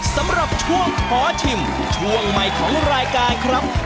สำหรับช่วงขอชิมช่วงใหม่ของรายการครับ